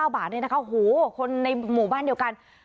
บาทเนี่ยนะคะโหคนในหมู่บ้านเดียวกัน